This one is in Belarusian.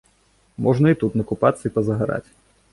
Можна і тут накупацца і пазагараць.